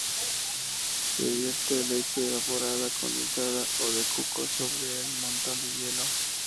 Se vierte leche evaporada, condensada o de coco sobre el montón de hielo.